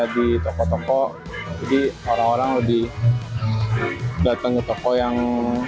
di toko toko jadi orang orang lebih datang ke toko yang